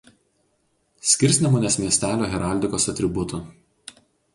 Skirsnemunės miestelio heraldikos atributų.